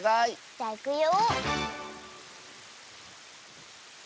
じゃいくよ。